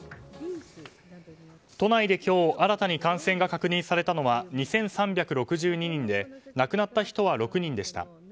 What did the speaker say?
都内で今日新たに感染が確認されたのは２３６２人で亡くなった人は６人でした。